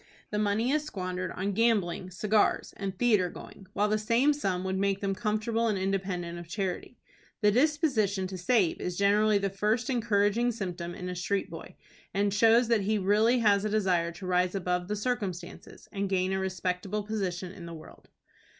The money is squandered on gambling, cigars, and theatre going, while the same sum would make them comfortable and independent of charity. The disposition to save is generally the first encouraging symptom in a street boy, and shows that he has really a desire to rise above his circumstances, and gain a respectable position in the world.